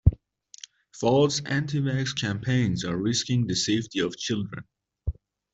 False anti-vax campaigns are risking the safety of children.